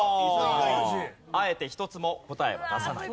あえて一つも答えを出さない。